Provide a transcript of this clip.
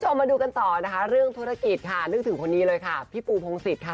มาดูกันต่อนะคะเรื่องธุรกิจค่ะนึกถึงคนนี้เลยค่ะพี่ปูพงศิษย์ค่ะ